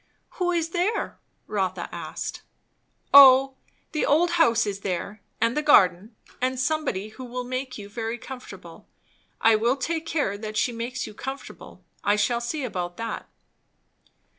"Who is there?" Rotha asked. "O the old house is there, and the garden; and somebody who will make you very comfortable. I will take care that she makes you comfortable. I shall see about that."